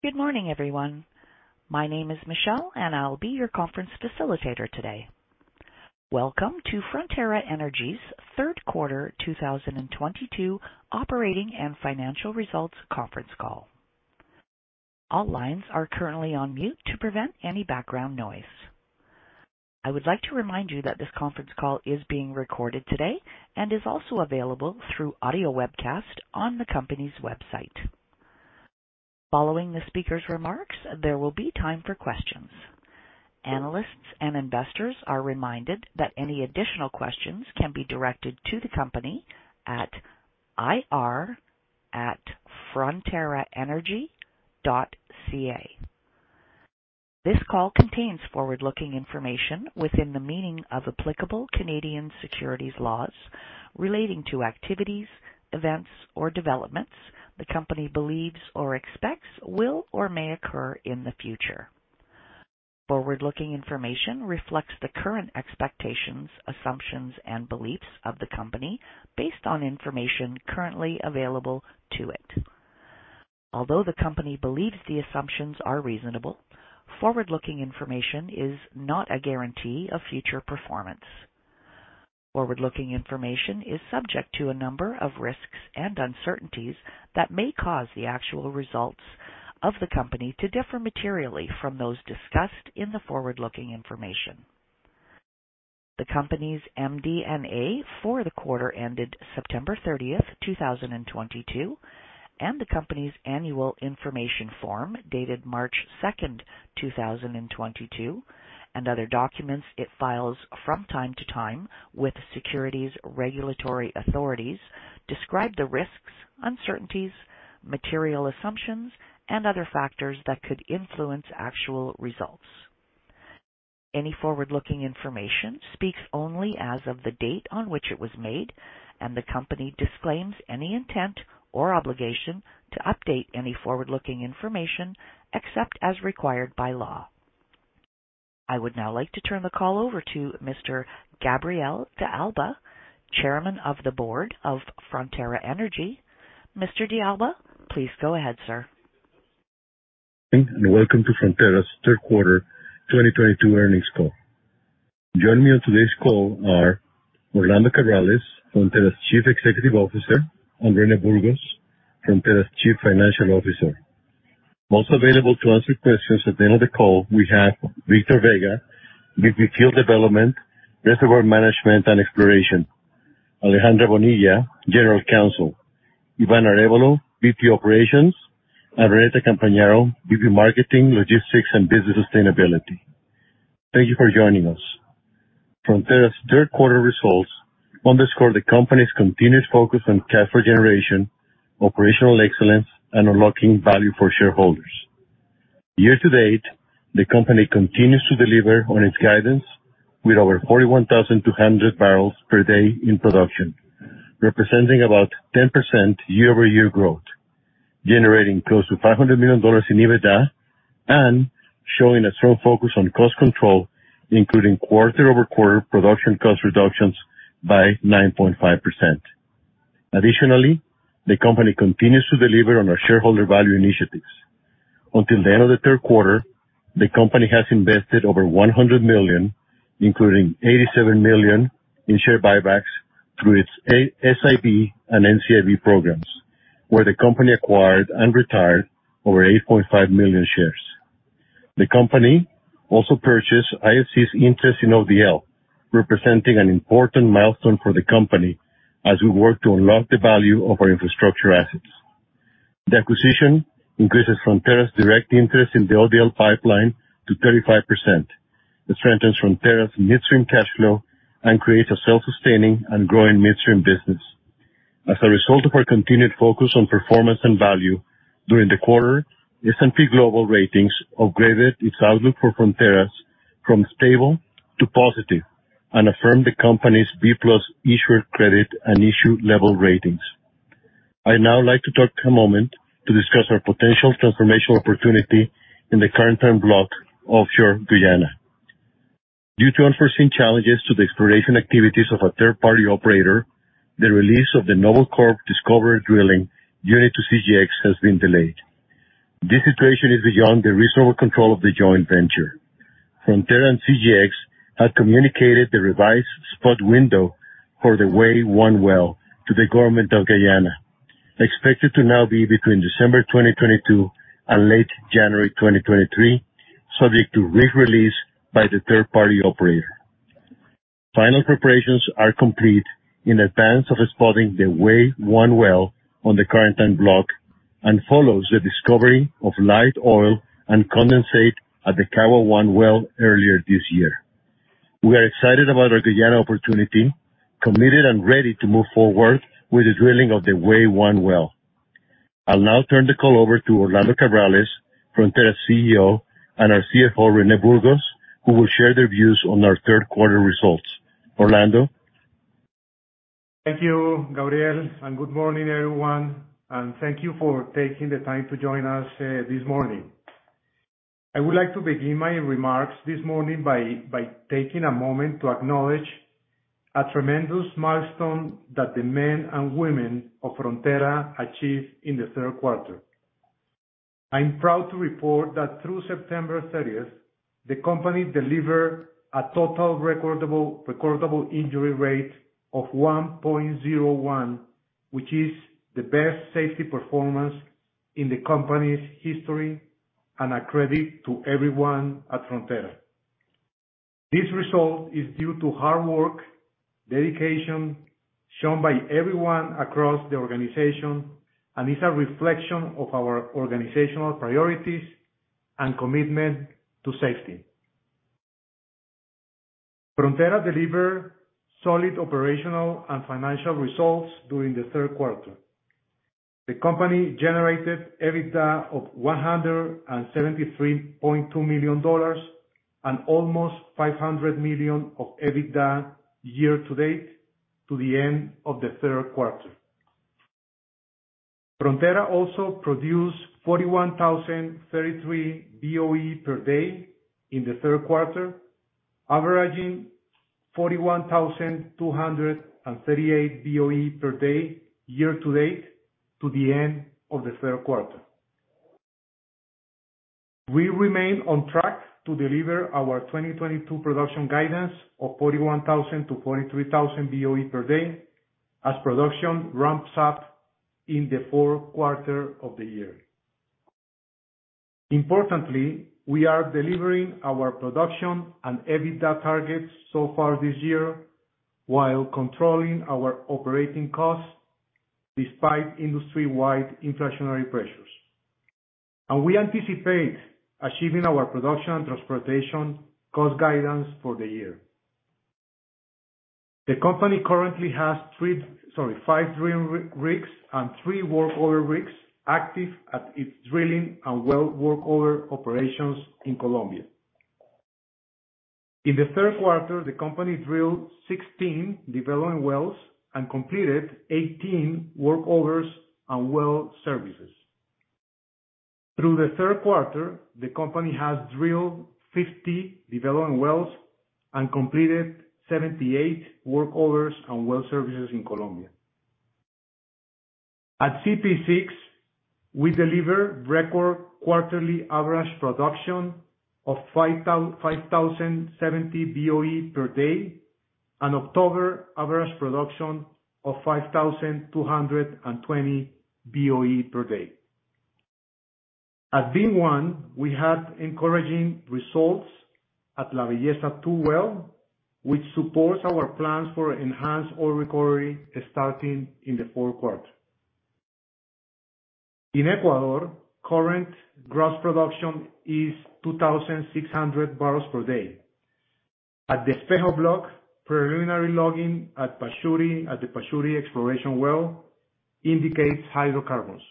Good morning, everyone. My name is Michelle, and I'll be your conference facilitator today. Welcome to Frontera Energy's third quarter 2022 operating and financial results conference call. All lines are currently on mute to prevent any background noise. I would like to remind you that this conference call is being recorded today and is also available through audio webcast on the company's website. Following the speaker's remarks, there will be time for questions. Analysts and investors are reminded that any additional questions can be directed to the company at ir@fronteraenergy.ca. This call contains forward-looking information within the meaning of applicable Canadian securities laws relating to activities, events or developments the company believes or expects will or may occur in the future. Forward-looking information reflects the current expectations, assumptions and beliefs of the company based on information currently available to it. Although the company believes the assumptions are reasonable, forward-looking information is not a guarantee of future performance. Forward-looking information is subject to a number of risks and uncertainties that may cause the actual results of the company to differ materially from those discussed in the forward-looking information. The company's MD&A for the quarter ended September 30, 2022, and the company's annual information form dated March 2, 2022, and other documents it files from time to time with securities regulatory authorities describe the risks, uncertainties, material assumptions and other factors that could influence actual results. Any forward-looking information speaks only as of the date on which it was made, and the company disclaims any intent or obligation to update any forward-looking information except as required by law. I would now like to turn the call over to Mr.Gabriel de Alba, Chairman of the Board of Frontera Energy. Mr. de Alba, please go ahead, sir. Welcome to Frontera's third quarter 2022 earnings call. Joining me on today's call are Orlando Cabrales, Frontera's Chief Executive Officer, and René Burgos, Frontera's Chief Financial Officer. Also available to answer questions at the end of the call, we have Victor Vega, VP, Field Development, Reservoir Management and Exploration. Alejandra Bonilla, General Counsel. Iván Arévalo, VP, Operations. Renata Campagnolo, VP, Marketing, Logistics and Business Sustainability. Thank you for joining us. Frontera's third quarter results underscore the company's continuous focus on cash flow generation, operational excellence and unlocking value for shareholders. Year to date, the company continues to deliver on its guidance with over 41,200 barrels per day in production, representing about 10% year-over-year growth, generating close to $500 million in EBITDA and showing a strong focus on cost control, including quarter-over-quarter production cost reductions by 9.5%. Additionally, the company continues to deliver on our shareholder value initiatives. Until the end of the third quarter, the company has invested over $100 million, including $87 million in share buybacks through its SIB and NCIB programs, where the company acquired and retired over 8.5 million shares. The company also purchased IFC's interest in ODL, representing an important milestone for the company as we work to unlock the value of our infrastructure assets. The acquisition increases Frontera's direct interest in the ODL pipeline to 35%. This strengthens Frontera's midstream cash flow and creates a self-sustaining and growing midstream business. As a result of our continued focus on performance and value during the quarter, S&P Global Ratings upgraded its outlook for Frontera's from stable to positive and affirmed the company's B+ issuer credit and issue level ratings. I'd now like to talk a moment to discuss our potential transformational opportunity in the Corentyne block offshore Guyana. Due to unforeseen challenges to the exploration activities of a third-party operator, the release of the Noble Discoverer drilling unit to CGX has been delayed. This situation is beyond the reasonable control of the joint venture. Frontera and CGX have communicated the revised spot window for the Wei-1 well to the government of Guyana, expected to now be between December 2022 and late January 2023, subject to re-release by the third-party operator. Final preparations are complete in advance of spotting the Wei-1 well on the Corentyne block and follows the discovery of light oil and condensate at the Kawa-1 well earlier this year. We are excited about our Guyana opportunity, committed and ready to move forward with the drilling of the Wei-1 well. I'll now turn the call over to Orlando Cabrales, Frontera's CEO, and our CFO, René Burgos, who will share their views on our third quarter results. Orlando? Thank you, Gabriel, and good morning, everyone, and thank you for taking the time to join us this morning. I would like to begin my remarks this morning by taking a moment to acknowledge a tremendous milestone that the men and women of Frontera achieved in the third quarter. I'm proud to report that through September thirtieth, the company delivered a Total Recordable Incident Rate of 1.01, which is the best safety performance in the company's history and a credit to everyone at Frontera. This result is due to hard work, dedication shown by everyone across the organization, and is a reflection of our organizational priorities and commitment to safety. Frontera delivered solid operational and financial results during the third quarter. The company generated EBITDA of $173.2 million and almost $500 million of EBITDA year-to-date to the end of the third quarter. Frontera also produced 41,033 BOE per day in the third quarter, averaging 41,238 BOE per day year-to-date to the end of the third quarter. We remain on track to deliver our 2022 production guidance of 41,000-43,000 BOE per day as production ramps up in the fourth quarter of the year. Importantly, we are delivering our production and EBITDA targets so far this year while controlling our operating costs despite industry-wide inflationary pressures. We anticipate achieving our production transportation cost guidance for the year. The company currently has five drilling rigs and three workover rigs active at its drilling and well workover operations in Colombia. In the third quarter, the company drilled 16 development wells and completed 18 workovers and well services. Through the third quarter, the company has drilled 50 development wells and completed 78 workovers and well services in Colombia. At CPE-6, we deliver record quarterly average production of 5,070 BOE per day and October average production of 5,220 BOE per day. At VIM-1, we had encouraging results at La Belleza 2 well, which supports our plans for enhanced oil recovery starting in the fourth quarter. In Ecuador, current gross production is 2,600 barrels per day. At the Espejo block, preliminary logging at the Pachuri exploration well indicates hydrocarbons.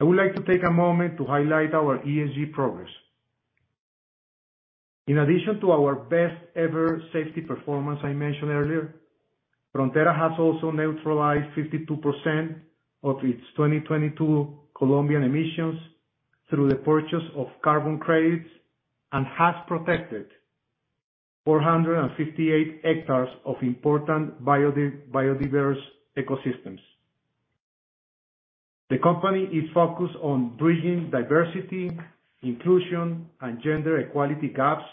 I would like to take a moment to highlight our ESG progress. In addition to our best ever safety performance I mentioned earlier, Frontera has also neutralized 52% of its 2022 Colombian emissions through the purchase of carbon credits and has protected 458 hectares of important biodiverse ecosystems. The company is focused on bridging diversity, inclusion, and gender equality gaps,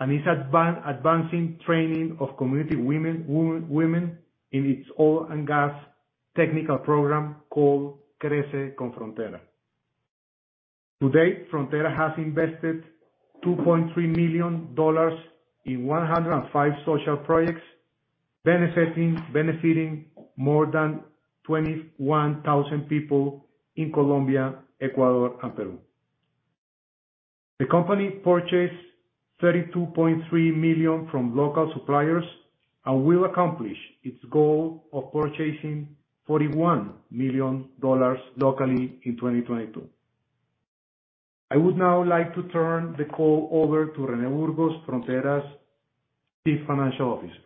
and is advancing training of community women in its oil and gas technical program called Crece con Frontera. To date, Frontera has invested $2.3 million in 105 social projects, benefiting more than 21,000 people in Colombia, Ecuador, and Peru. The company purchased $32.3 million from local suppliers and will accomplish its goal of purchasing $41 million locally in 2022. I would now like to turn the call over to René Burgos, Frontera's Chief Financial Officer.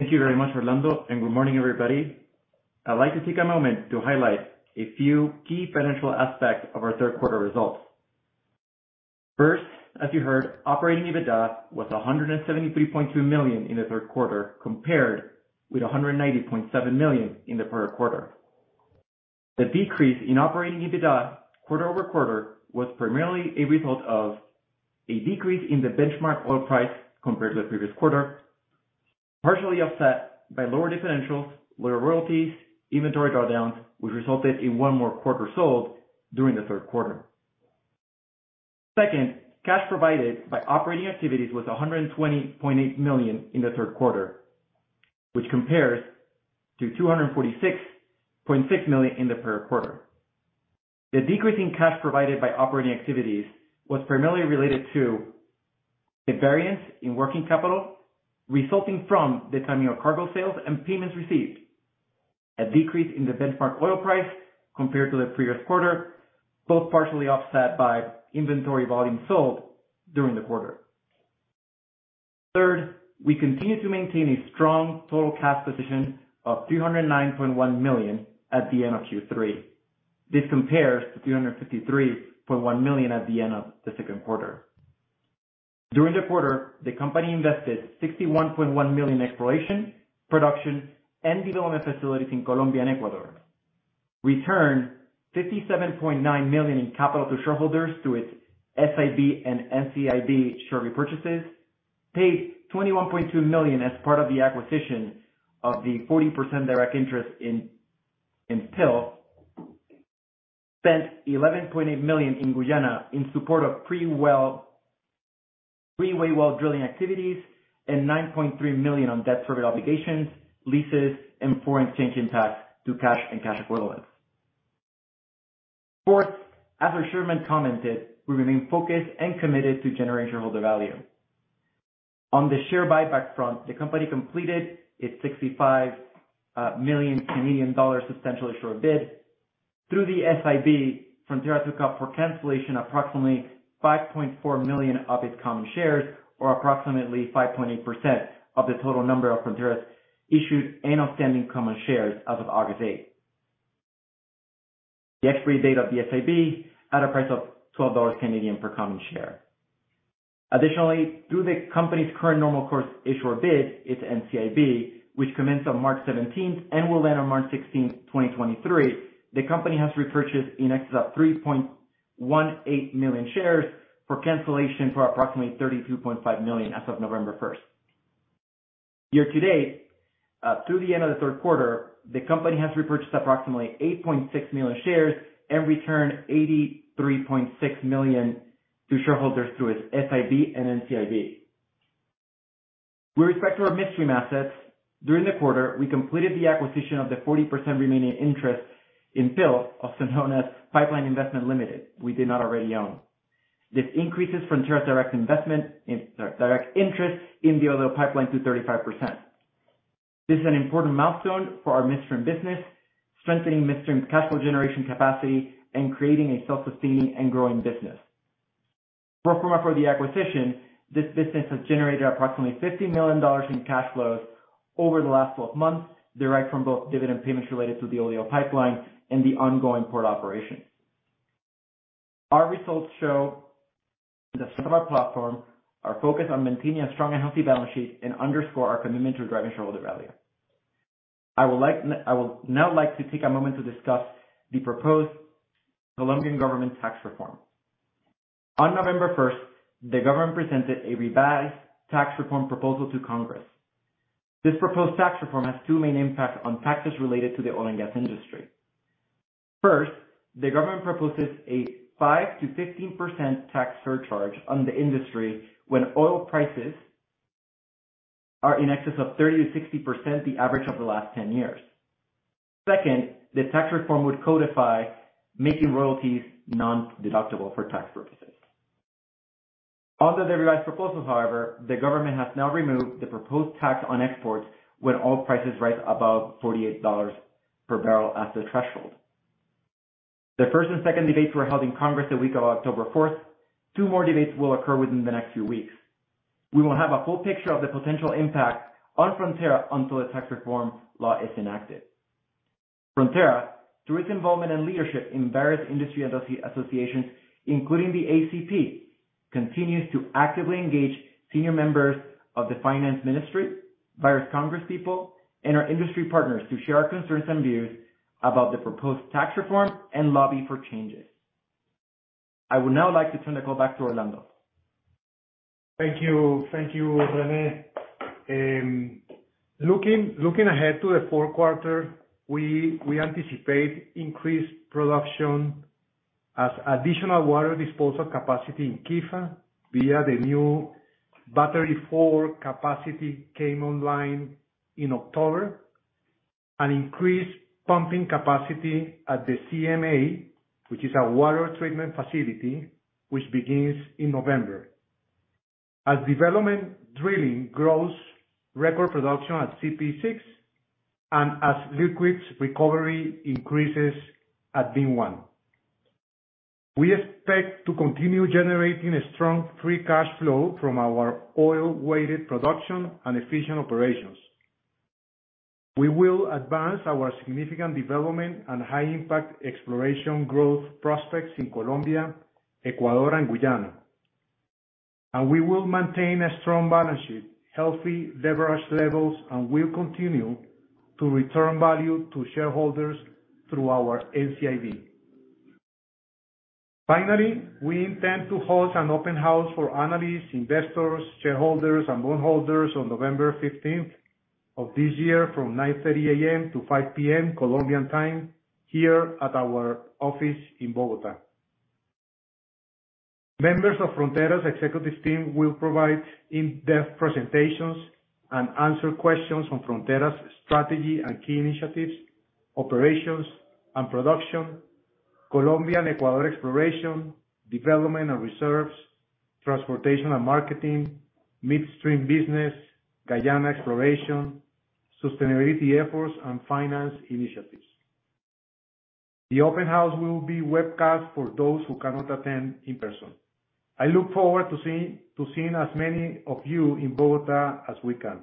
Thank you very much, Orlando Cabrales, and good morning, everybody. I'd like to take a moment to highlight a few key financial aspects of our third quarter results. First, as you heard, operating EBITDA was $173.2 million in the third quarter, compared with $190.7 million in the prior quarter. The decrease in operating EBITDA quarter-over-quarter was primarily a result of a decrease in the benchmark oil price compared to the previous quarter, partially offset by lower differentials, lower royalties, inventory drawdowns, which resulted in one more quarter sold during the third quarter. Second, cash provided by operating activities was $120.8 million in the third quarter, which compares to $246.6 million in the prior quarter. The decrease in cash provided by operating activities was primarily related to the variance in working capital resulting from the timing of cargo sales and payments received. A decrease in the benchmark oil price compared to the previous quarter, both partially offset by inventory volume sold during the quarter. Third, we continue to maintain a strong total cash position of $309.1 million at the end of Q3. This compares to $353.1 million at the end of the second quarter. During the quarter, the company invested $61.1 million exploration, production, and development facilities in Colombia and Ecuador. Returned $57.9 million in capital to shareholders through its SIB and NCIB share repurchases. Paid $21.2 million as part of the acquisition of the 40% direct interest in PIL. Spent $11.8 million in Guyana in support of pre-well, the Wei-1 well drilling activities and $9.3 million on debt service obligations, leases, and foreign exchange impacts to cash and cash equivalents. Fourth, as Rich Sherman commented, we remain focused and committed to generating shareholder value. On the share buyback front, the company completed its 65 million Canadian dollar substantial issuer bid. Through the SIB, Frontera took up for cancellation approximately 5.4 million of its common shares or approximately 5.8% of the total number of Frontera's issued and outstanding common shares as of August 8. The expiry date of the SIB at a price of 12 Canadian dollars per common share. Additionally, through the company's current normal course issuer bid, its NCIB, which commenced on March seventeenth and will end on March sixteenth, 2023, the company has repurchased in excess of 3.18 million shares for cancellation for approximately $32.5 million as of November first. Year to date, through the end of the third quarter, the company has repurchased approximately 8.6 million shares and returned $83.6 million to shareholders through its SIB and NCIB. With respect to our midstream assets, during the quarter, we completed the acquisition of the 40% remaining interest in PIL, also known as Pipeline Investment Limited, we did not already own. This increases Frontera's direct interest in the Oleoducto pipeline to 35%. This is an important milestone for our midstream business, strengthening midstream's cash flow generation capacity, and creating a self-sustaining and growing business. Pro forma for the acquisition, this business has generated approximately $50 million in cash flows over the last 12 months, direct from both dividend payments related to the Oleoducto de los Llanos Orientales and the ongoing port operations. Our results show the strength of our platform, our focus on maintaining a strong and healthy balance sheet, and underscore our commitment to driving shareholder value. I would now like to take a moment to discuss the proposed Colombian government tax reform. On November first, the government presented a revised tax reform proposal to Congress. This proposed tax reform has two main impacts on taxes related to the oil and gas industry. First, the government proposes a 5%-15% tax surcharge on the industry when oil prices are in excess of 30%-60% of the average of the last 10 years. Second, the tax reform would codify making royalties non-deductible for tax purposes. Under the revised proposal, however, the government has now removed the proposed tax on exports when oil prices rise above $48 per barrel as the threshold. The first and second debates were held in Congress the week of October 4. Two more debates will occur within the next few weeks. We won't have a full picture of the potential impact on Frontera until the tax reform law is enacted. Frontera, through its involvement and leadership in various industry associations, including the ACP, continues to actively engage senior members of the finance ministry, various congress people, and our industry partners to share our concerns and views about the proposed tax reform and lobby for changes. I would now like to turn the call back to Orlando. Thank you. Thank you, René. Looking ahead to the fourth quarter, we anticipate increased production as additional water disposal capacity in Quifa via the new battery four capacity came online in October, an increased pumping capacity at the CMA, which is our water treatment facility, which begins in November, as development drilling grows record production at CPE-6 and as liquids recovery increases at VIM-1. We expect to continue generating a strong free cash flow from our oil-weighted production and efficient operations. We will advance our significant development and high-impact exploration growth prospects in Colombia, Ecuador, and Guyana. We will maintain a strong balance sheet, healthy leverage levels, and will continue to return value to shareholders through our NCIB. Finally, we intend to host an open house for analysts, investors, shareholders, and bondholders on November fifteenth of this year from 9:30 A.M. to 5:00 P.M. Colombian time here at our office in Bogotá. Members of Frontera's executives team will provide in-depth presentations and answer questions on Frontera's strategy and key initiatives, operations and production, Colombia and Ecuador exploration, development and reserves, transportation and marketing, midstream business, Guyana exploration, sustainability efforts, and finance initiatives. The open house will be webcast for those who cannot attend in person. I look forward to seeing as many of you in Bogotá as we can.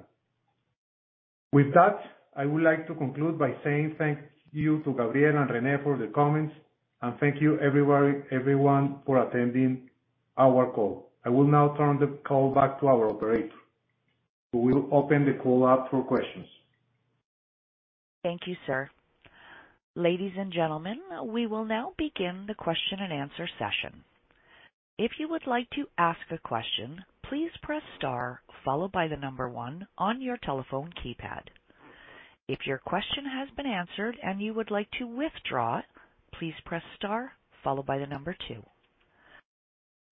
With that, I would like to conclude by saying thank you to Gabriel de Alba and René Burgos for their comments and thank you everyone for attending our call. I will now turn the call back to our operator, who will open the call up for questions. Thank you, sir. Ladies and gentlemen, we will now begin the question and answer session. If you would like to ask a question, please press star followed by the number one on your telephone keypad. If your question has been answered and you would like to withdraw it, please press star followed by the number two.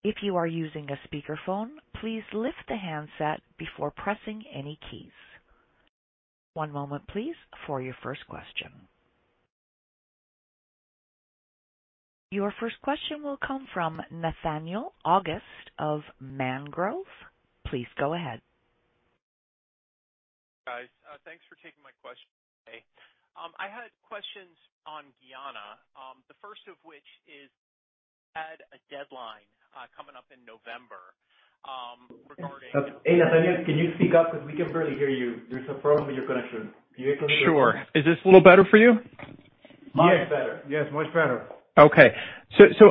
If you are using a speakerphone, please lift the handset before pressing any keys. One moment please for your first question. Your first question will come from Nathaniel August of Mangrove Partners. Please go ahead. Guys, thanks for taking my question today. I had questions on Guyana, the first of which had a deadline coming up in November, regarding- Hey, Nathaniel, can you speak up because we can barely hear you. There's a problem with your connection. Can you- Sure. Is this a little better for you? Much better. Yes, much better. Okay.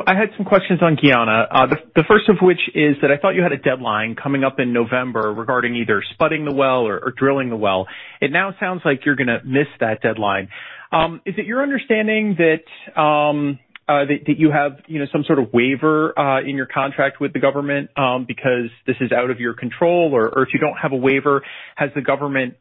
I had some questions on Guyana. The first of which is that I thought you had a deadline coming up in November regarding either spudding the well or drilling the well. It now sounds like you're gonna miss that deadline. Is it your understanding that you have, you know, some sort of waiver in your contract with the government because this is out of your control? Or if you don't have a waiver, has the government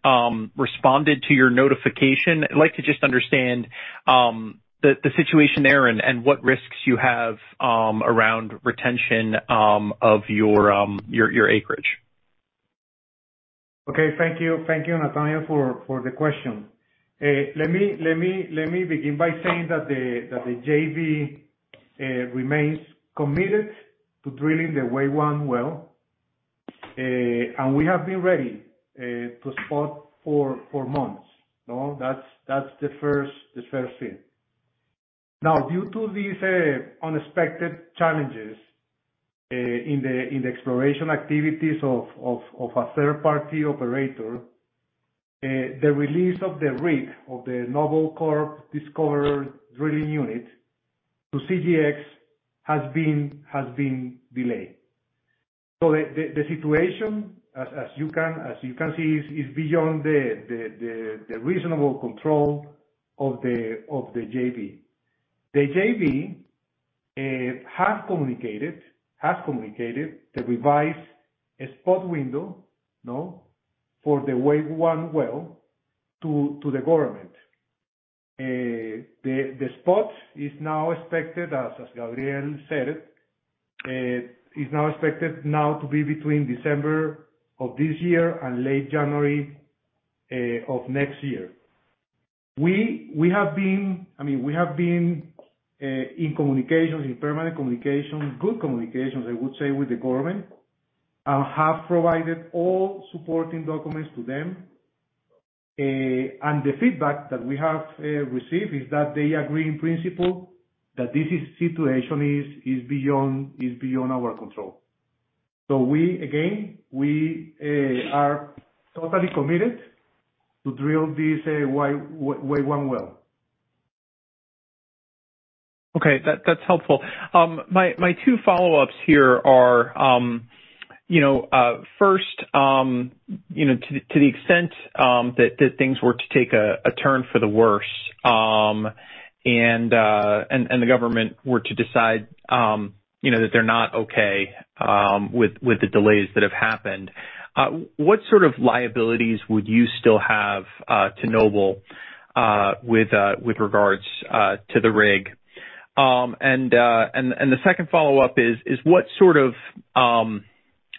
responded to your notification? I'd like to just understand the situation there and what risks you have around retention of your acreage. Okay. Thank you, Nathaniel, for the question. Let me begin by saying that the JV remains committed to drilling the Wei-1 well. We have been ready to spud for months. No, that's the first thing. Now, due to these unexpected challenges in the exploration activities of a third party operator, the release of the Noble Discoverer drilling unit to CGX has been delayed. The situation as you can see is beyond the reasonable control of the JV. The JV has communicated the revised spud window, you know, for the Wei-1 well to the government. The spud is now expected, as Gabriel said, to be between December of this year and late January of next year. We have been, I mean, in permanent communications, good communications, I would say, with the government. We have provided all supporting documents to them. The feedback that we have received is that they agree in principle that this situation is beyond our control. We again are totally committed to drill this Wei-1 well. Okay. That's helpful. My two follow-ups here are, you know, first, you know, to the extent that things were to take a turn for the worse, and the government were to decide, you know, that they're not okay with the delays that have happened. What sort of liabilities would you still have to Noble with regards to the rig? And the second follow-up is what sort of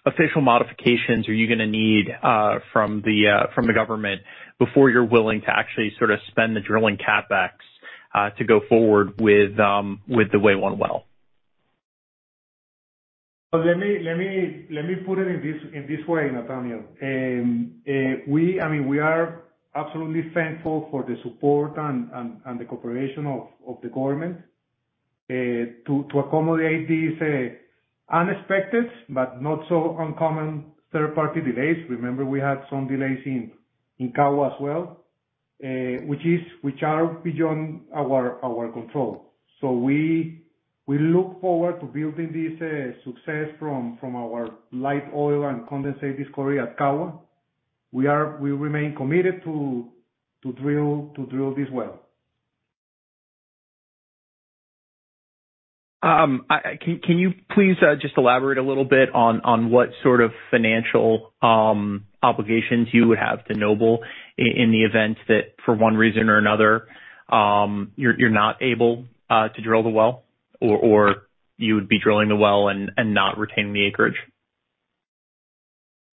official modifications are you gonna need from the government before you're willing to actually sort of spend the drilling CapEx to go forward with the Wei-1 well? Let me put it in this way, Nathaniel. I mean, we are absolutely thankful for the support and the cooperation of the government to accommodate this unexpected but not so uncommon third party delays. Remember, we had some delays in Kawa as well, which are beyond our control. We look forward to building this success from our light oil and condensate discovery at Kawa. We remain committed to drill this well. Can you please just elaborate a little bit on what sort of financial obligations you would have to Noble in the event that for one reason or another you're not able to drill the well or you would be drilling the well and not retaining the acreage?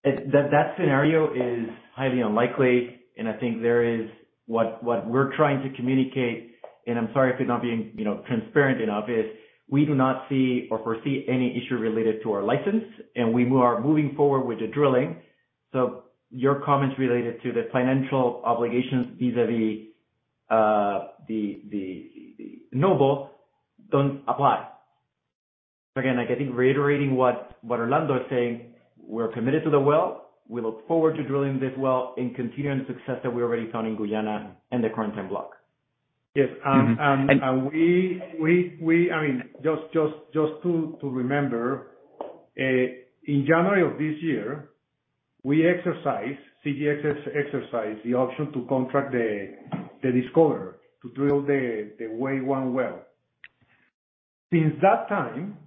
That scenario is highly unlikely, and I think there is what we're trying to communicate, and I'm sorry if we're not being you know transparent enough, is we do not see or foresee any issue related to our license, and we are moving forward with the drilling. Your comments related to the financial obligations vis-a-vis the Noble don't apply. Again, like, I think reiterating what Orlando is saying, we're committed to the well. We look forward to drilling this well and continuing the success that we already found in Guyana and the Corentyne block. Yes. I mean, just to remember, in January of this year, CGX exercised the option to contract the Discoverer to drill the Wei-1 well. Since that time,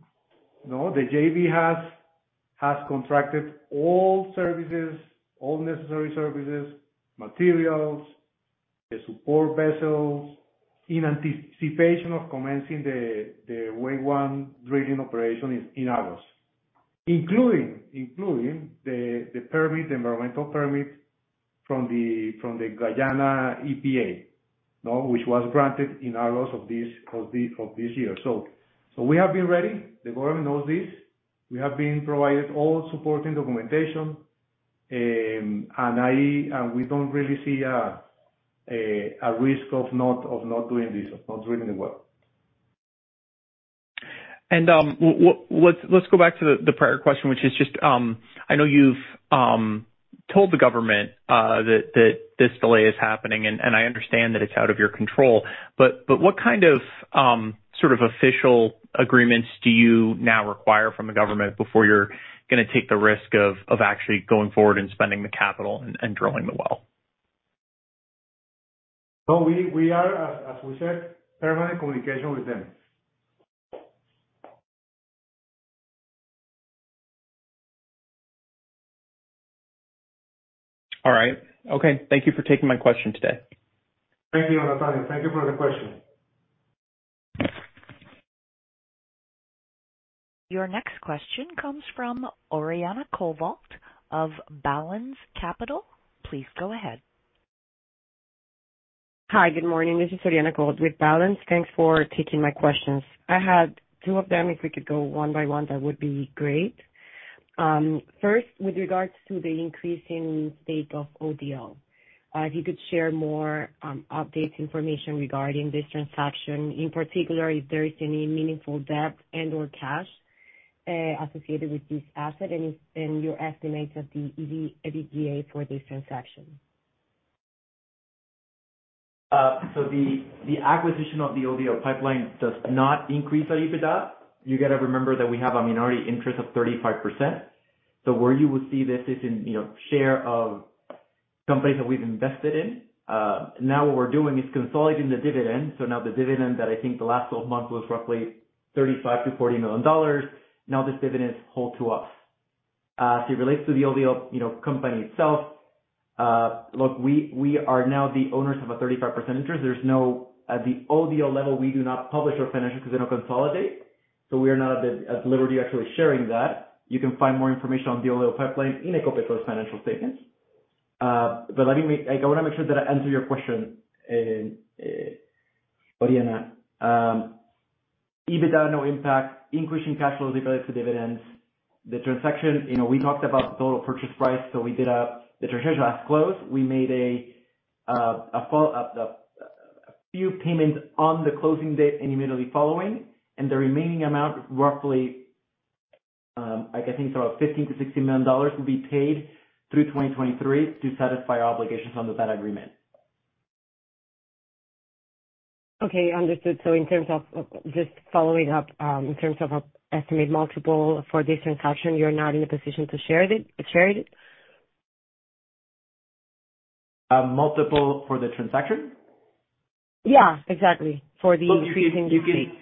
you know, the JV has contracted all necessary services, materials, the support vessels in anticipation of commencing the Wei-1 drilling operation in August, including the environmental permit from the Guyana EPA, you know, which was granted in August of this year. We have been ready. The government knows this. We have been provided all supporting documentation. We don't really see a risk of not doing this, of not drilling the well. Let's go back to the prior question, which is just, I know you've told the government that this delay is happening and I understand that it's out of your control, but what kind of sort of official agreements do you now require from the government before you're gonna take the risk of actually going forward and spending the capital and drilling the well? No, we are, as we said, in permanent communication with them. All right. Okay. Thank you for taking my question today. Thank you, Nathaniel. Thank you for the question. Your next question comes from Oriana Covault of Balanz Capital. Please go ahead. Hi. Good morning. This is Oriana Covault with Balanz Capital. Thanks for taking my questions. I had two of them. If we could go one by one, that would be great. First, with regards to the increase in stake of ODL, if you could share more updates, information regarding this transaction, in particular, if there is any meaningful debt and/or cash associated with this asset, and your estimates of the EV/EBITDA for this transaction. The acquisition of the ODL pipeline does not increase our EBITDA. You gotta remember that we have a minority interest of 35%. Where you would see this is in, you know, share of companies that we've invested in. Now what we're doing is consolidating the dividend. Now the dividend that I think the last twelve months was roughly $35-40 million. Now this dividend is wholly to us. So it relates to the ODL, you know, company itself. Look, we are now the owners of a 35% interest. At the ODL level, we do not publish our financials because they don't consolidate. We are not at liberty actually sharing that. You can find more information on the ODL pipeline in Ecopetrol's financial statements. I wanna make sure that I answer your question, Oriana. EBITDA, no impact. Increasing cash flow is related to dividends. The transaction, you know, we talked about the total purchase price. The transaction has closed. We made a full few payments on the closing date and immediately following. The remaining amount, roughly, I think it's about $15-16 million, will be paid through 2023 to satisfy our obligations under that agreement. Okay. Understood. In terms of just following up, in terms of an estimated multiple for this transaction, you're not in a position to share it? A multiple for the transaction? Yeah, exactly. For the increasing stake.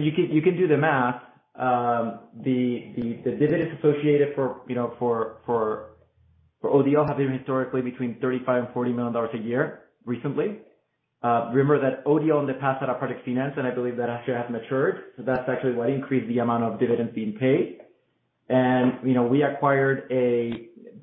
You can do the math. The dividends associated for, you know, for ODL have been historically between $35 million and $40 million a year recently. Remember that ODL in the past had a project finance, and I believe that actually has matured. That's actually what increased the amount of dividends being paid. You know,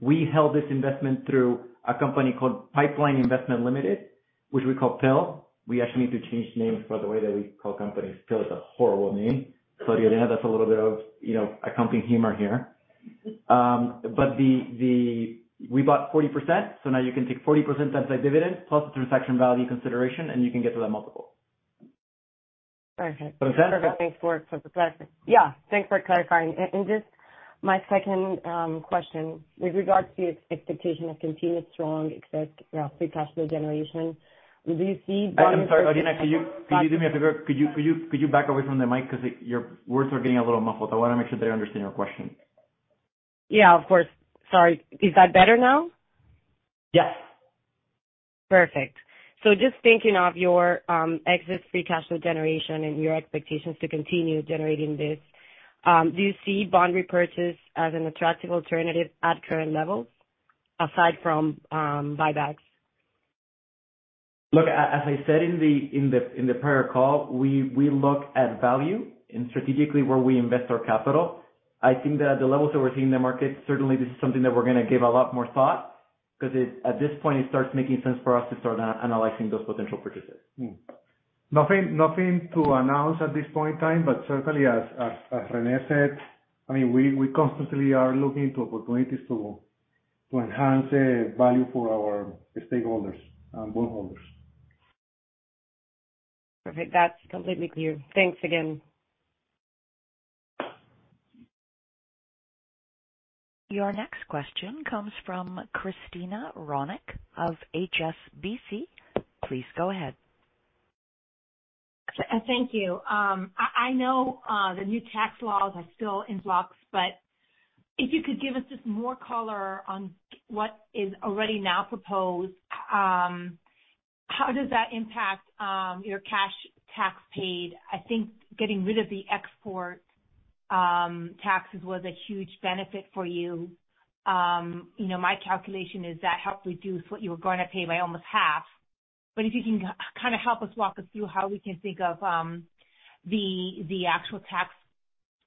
we held this investment through a company called Pipeline Investment Limited, which we call PIL. We actually need to change names for the way that we call companies. PIL is a horrible name. Yeah, that's a little bit of, you know, a company humor here. We bought 40%, so now you can take 40% times the dividend plus the transaction value consideration, and you can get to that multiple. Perfect. Does that help? Perfect. Thanks for clarifying. Just my second question. With regards to expectation of continued strong excess free cash flow generation, do you see- I'm sorry. Oriana, could you do me a favor? Could you back away from the mic because your words are getting a little muffled. I wanna make sure that I understand your question. Yeah. Of course. Sorry. Is that better now? Yes. Perfect. Just thinking of your exit free cash flow generation and your expectations to continue generating this, do you see bond repurchase as an attractive alternative at current levels aside from buybacks? Look, as I said in the prior call, we look at value and strategically where we invest our capital. I think that at the levels that we're seeing in the market, certainly this is something that we're gonna give a lot more thought because at this point, it starts making sense for us to start analyzing those potential purchases. Nothing to announce at this point in time. Certainly as René said, I mean, we constantly are looking to opportunities to enhance the value for our stakeholders, bondholders. Perfect. That's completely clear. Thanks again. Your next question comes from Christina Ronac of HSBC. Please go ahead. Thank you. I know the new tax laws are still in flux, but if you could give us just more color on what is already now proposed, how does that impact your cash tax paid? I think getting rid of the export taxes was a huge benefit for you. You know, my calculation is that helped reduce what you were gonna pay by almost half. If you can kind of help us walk through how we can think of the actual tax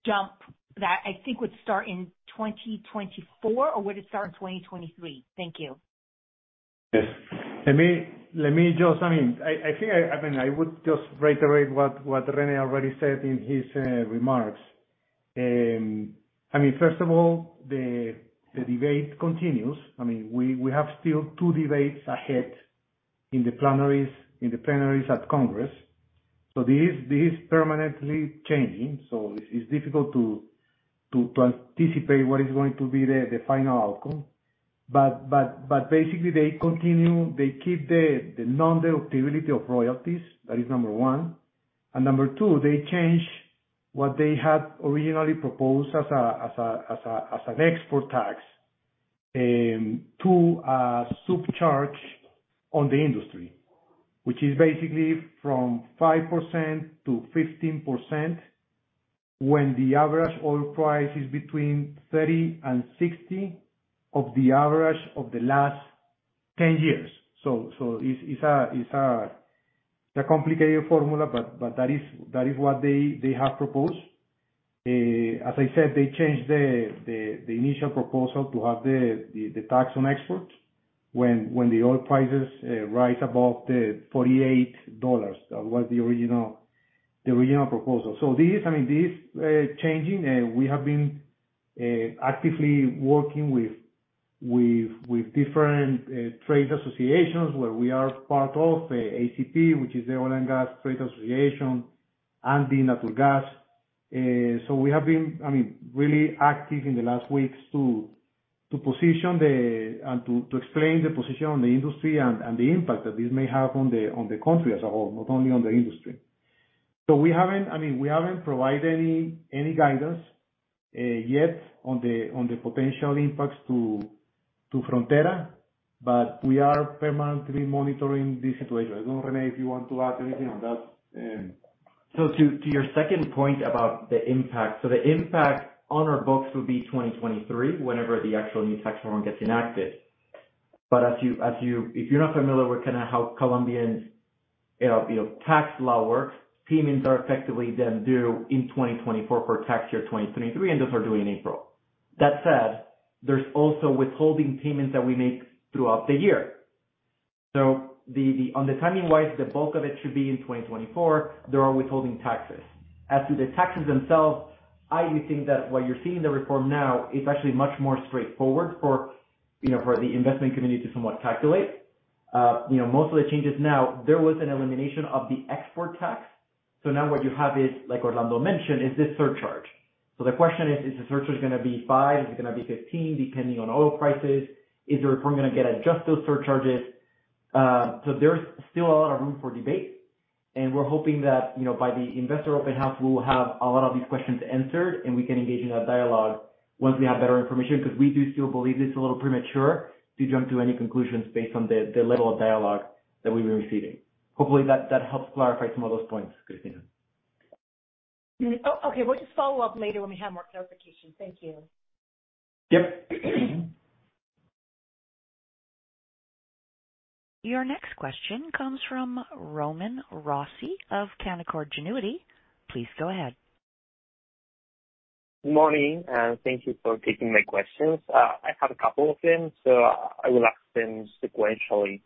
jump that I think would start in 2024, or would it start in 2023? Thank you. Yes. I mean, I would just reiterate what René already said in his remarks. I mean, first of all, the debate continues. I mean, we have still two debates ahead in the plenaries at Congress. This permanently changing, it's difficult to anticipate what is going to be the final outcome. Basically, they continue. They keep the non-deductibility of royalties, that is number one. Number two, they change what they had originally proposed as an export tax to a surcharge on the industry, which is basically from 5% to 15% when the average oil price is between $30 and $60 of the average of the last ten years. It's a complicated formula, but that is what they have proposed. As I said, they changed the initial proposal to have the tax on exports when the oil prices rise above $48. That was the original proposal. This, I mean, this changing we have been actively working with different trade associations where we are part of ACP, which is the Colombian Petroleum and Gas Association, and the natural gas. We have been, I mean, really active in the last weeks to explain the position on the industry and the impact that this may have on the country as a whole, not only on the industry. We haven't, I mean, we haven't provided any guidance yet on the potential impacts to Frontera, but we are permanently monitoring the situation. I don't know, René, if you want to add anything on that. To your second point about the impact. The impact on our books would be 2023, whenever the actual new tax reform gets enacted. As you-- if you're not familiar with kind of how Colombian, you know, tax law works, payments are effectively then due in 2024 for tax year 2023, and those are due in April. That said, there's also withholding payments that we make throughout the year. On the timing-wise, the bulk of it should be in 2024. There are withholding taxes. As to the taxes themselves, I do think that what you're seeing the reform now is actually much more straightforward for, you know, for the investment community to somewhat calculate. You know, most of the changes now, there was an elimination of the export tax. Now what you have is, like Orlando mentioned, this surcharge. The question is the surcharge gonna be 5%? Is it gonna be 15%, depending on oil prices? Is the reform gonna adjust those surcharges? There's still a lot of room for debate, and we're hoping that, you know, by the investor open house, we will have a lot of these questions answered and we can engage in a dialogue once we have better information. Because we do still believe it's a little premature to jump to any conclusions based on the level of dialogue that we've been receiving. Hopefully, that helps clarify some of those points, Christina. Oh, okay. We'll just follow up later when we have more clarification. Thank you. Yep. Your next question comes from Roman Rossi of Canaccord Genuity. Please go ahead. Morning, thank you for taking my questions. I have a couple of them. I will ask them sequentially.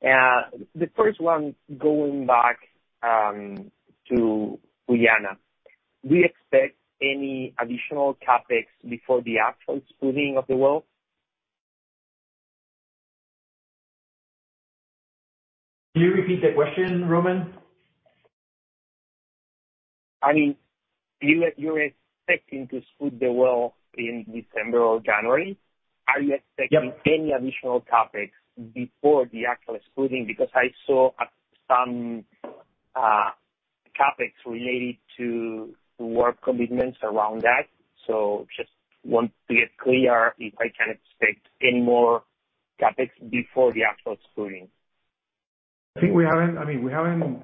The first one, going back, to Guyana. Do you expect any additional CapEx before the actual spudding of the well? Can you repeat the question, Roman? I mean, you're expecting to spud the well in December or January. Are you expecting- Yep. Any additional CapEx before the actual spudding? Because I saw some CapEx related to work commitments around that. Just want to be clear if I can expect any more CapEx before the actual spudding. I mean, we haven't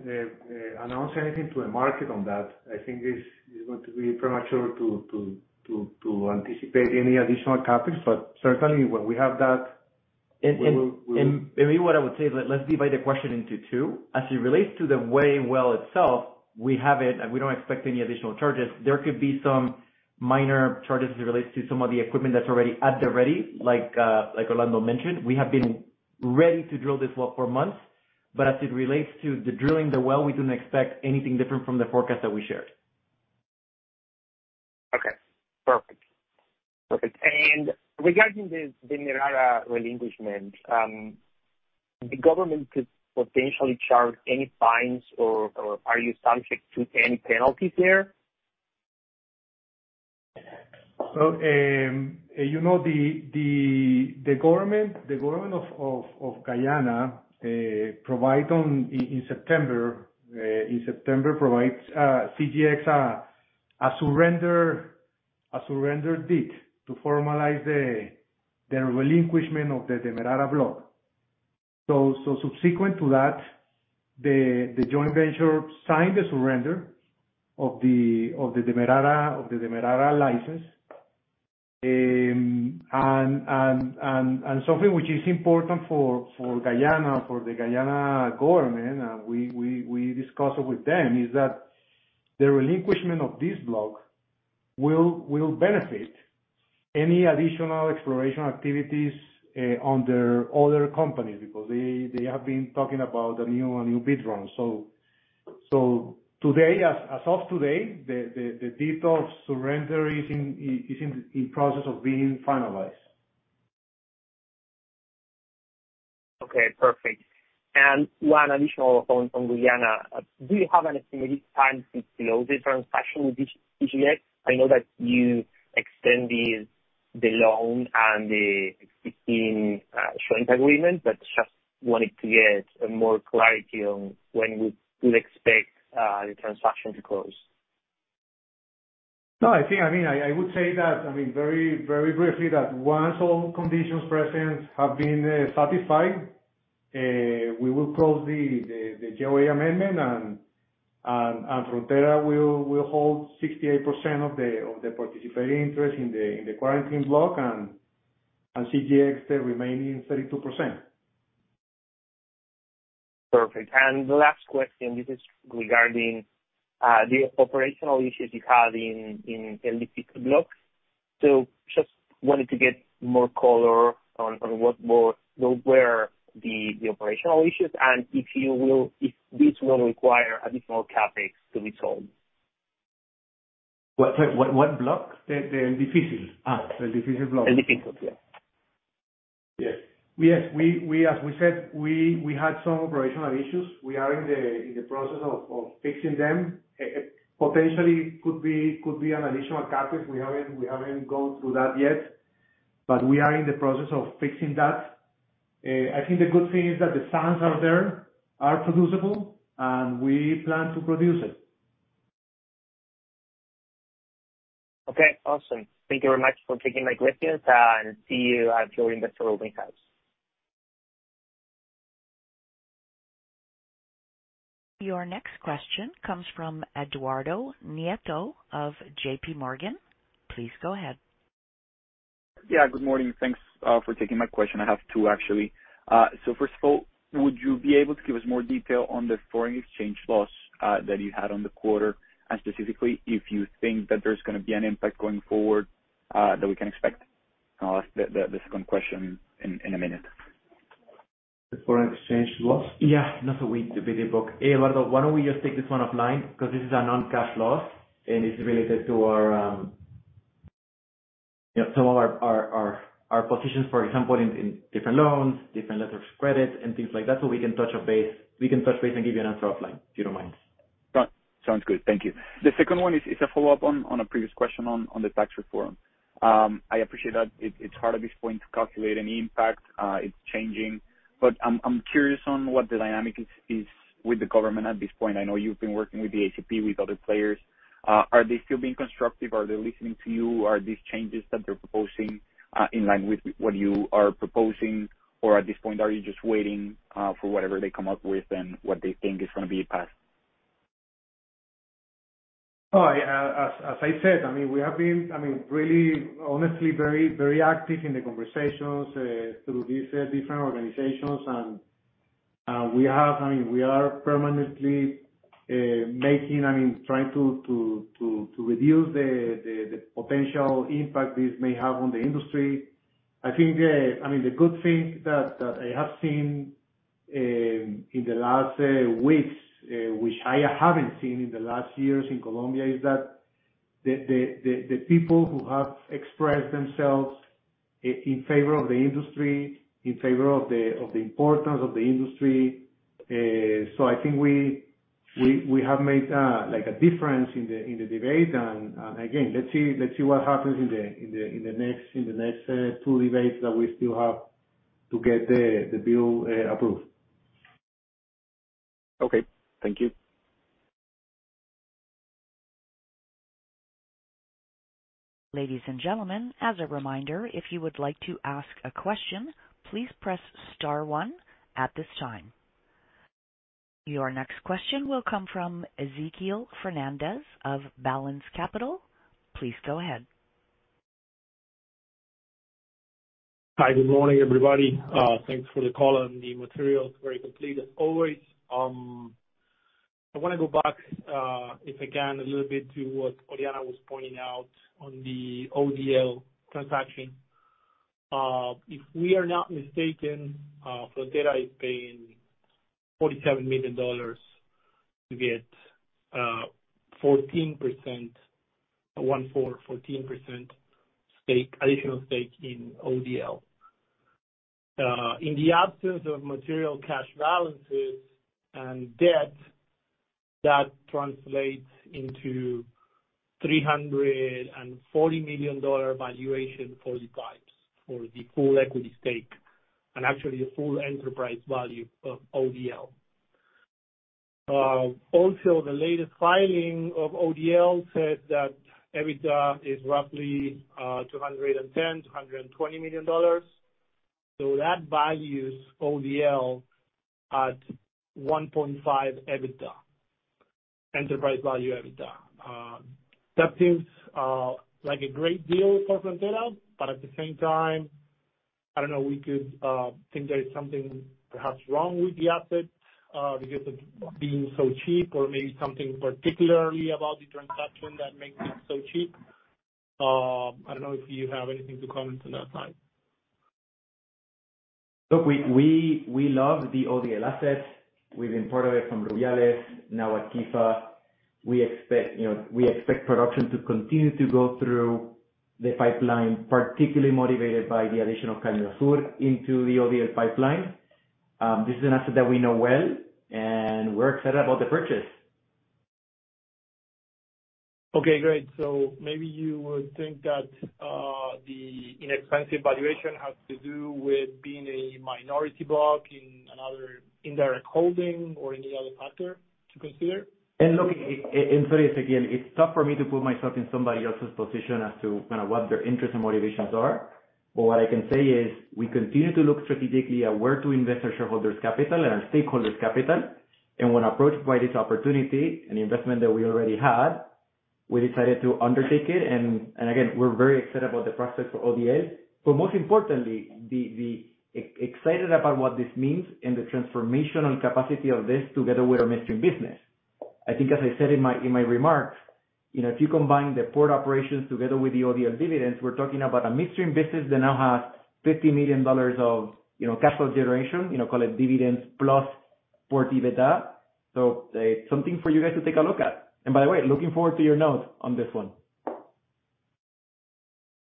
announced anything to the market on that. I think it's going to be premature to anticipate any additional CapEx. Certainly when we have that, we will- Maybe what I would say, let's divide the question into two. As it relates to the Wei well itself, we haven't, and we don't expect any additional charges. There could be some minor charges as it relates to some of the equipment that's already at the ready. Like Orlando mentioned, we have been ready to drill this well for months. As it relates to drilling the well, we don't expect anything different from the forecast that we shared. Okay. Perfect. Regarding the Demerara relinquishment, the government could potentially charge any fines or are you subject to any penalties there? Well, you know, the government of Guyana provided in September CGX a surrender deed to formalize the relinquishment of the Demerara block. Subsequent to that, the joint venture signed the surrender of the Demerara license. Something which is important for the Guyana government, we discuss it with them, is that the relinquishment of this block will benefit any additional exploration activities under other companies, because they have been talking about a new bid round. Today, as of today, the deed of surrender is in process of being finalized. Okay, perfect. One additional on Guyana. Do you have an estimated time to close the transaction with CGX? I know that you extended the loan and the existing joint agreement, but just wanted to get more clarity on when we could expect the transaction to close. No, I think I mean, I would say that, I mean, very, very briefly, that once all conditions precedent have been satisfied, we will close the JOA amendment and Frontera will hold 68% of the participating interest in the Corentyne block and CGX the remaining 32%. Perfect. The last question, this is regarding the operational issues you had in El Difícil block. Just wanted to get more color on what were the operational issues and if this will require additional CapEx to be solved? Sorry, what block? The El Difícil. The El Difícil block. El Difícil. Yeah. Yes. As we said, we had some operational issues. We are in the process of fixing them. Potentially could be an additional CapEx. We haven't gone through that yet, but we are in the process of fixing that. I think the good thing is that the sands are there, producible, and we plan to produce it. Okay, awesome. Thank you very much for taking my questions, and see you at your investor road shows. Your next question comes from Eduardo Nieto of JP Morgan. Please go ahead. Yeah. Good morning. Thanks for taking my question. I have two, actually. First of all, would you be able to give us more detail on the foreign exchange loss that you had on the quarter? Specifically, if you think that there's gonna be an impact going forward that we can expect? I'll ask the second question in a minute. The foreign exchange loss? Yeah. No. With the video book. Eduardo, why don't we just take this one offline? Because this is a non-cash loss, and it's related to our positions, for example, in different loans, different letters of credit and things like that. We can touch base and give you an answer offline, if you don't mind. Sounds good. Thank you. The second one is a follow-up on a previous question on the tax reform. I appreciate that it's hard at this point to calculate any impact. It's changing. I'm curious on what the dynamic is with the government at this point. I know you've been working with the ACP, with other players. Are they still being constructive? Are they listening to you? Are these changes that they're proposing in line with what you are proposing? Or at this point, are you just waiting for whatever they come up with and what they think is gonna be passed? No, as I said, I mean, we have been, I mean, really honestly very, very active in the conversations through these different organizations. We are permanently making, I mean, trying to reduce the potential impact this may have on the industry. I think, I mean, the good thing that I have seen in the last weeks, which I haven't seen in the last years in Colombia, is that the people who have expressed themselves in favor of the industry, in favor of the importance of the industry. I think we have made, like, a difference in the debate. Again, let's see what happens in the next two debates that we still have to get the bill approved. Okay. Thank you. Ladies and gentlemen, as a reminder, if you would like to ask a question, please press star one at this time. Your next question will come from Ezequiel Fernández of Balanz Capital. Please go ahead. Hi, good morning, everybody. Thanks for the call and the material is very complete as always. I wanna go back, if I can, a little bit to what Oriana was pointing out on the ODL transaction. If we are not mistaken, Frontera is paying $47 million to get 14% additional stake in ODL. In the absence of material cash balances and debt, that translates into $340 million valuation for the pipes, for the full equity stake, and actually a full enterprise value of ODL. Also the latest filing of ODL said that EBITDA is roughly $210-220 million. That values ODL at 1.5x EBITDA, enterprise value EBITDA. That seems like a great deal for Frontera, but at the same time, I don't know, we could think there is something perhaps wrong with the asset, because of being so cheap or maybe something particularly about the transaction that makes it so cheap. I don't know if you have anything to comment on that side? Look, we love the ODL assets. We've been part of it from Rubiales, now at Quifa. We expect, you know, production to continue to go through the pipeline, particularly motivated by the addition of Caño Sur into the ODL pipeline. This is an asset that we know well, and we're excited about the purchase. Okay, great. Maybe you would think that the inexpensive valuation has to do with being a minority block in another indirect holding or any other factor to consider? and sorry, it's again tough for me to put myself in somebody else's position as to kind of what their interests and motivations are. What I can say is we continue to look strategically at where to invest our shareholders' capital and our stakeholders' capital. When approached by this opportunity and the investment that we already had, we decided to undertake it. Again, we're very excited about the prospects for ODL. Most importantly, excited about what this means and the transformational capacity of this together with our midstream business. I think as I said in my remarks, you know, if you combine the port operations together with the ODL dividends, we're talking about a midstream business that now has $50 million of, you know, capital generation, you know, call it dividends plus port EBITDA. It's something for you guys to take a look at. By the way, looking forward to your notes on this one.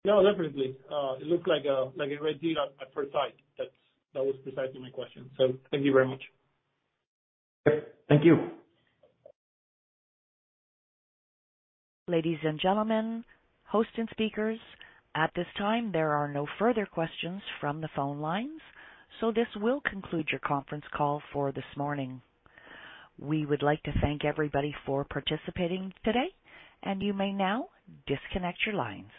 No, definitely. It looks like a red deal at first sight. That was precisely my question. Thank you very much. Thank you. Ladies and gentlemen, hosts and speakers, at this time, there are no further questions from the phone lines. This will conclude your conference call for this morning. We would like to thank everybody for participating today, and you may now disconnect your lines.